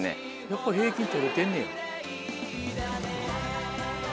やっぱ平均取れてんねん。